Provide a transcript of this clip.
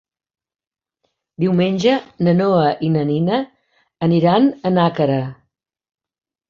Diumenge na Noa i na Nina aniran a Nàquera.